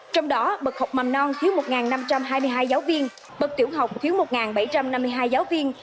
trong đó bậc học mầm non thiếu một năm trăm hai mươi hai giáo viên bậc tiểu học thiếu một bảy trăm năm mươi hai giáo viên